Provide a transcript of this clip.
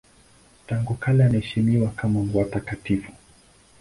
Tangu kale anaheshimiwa kama watakatifu.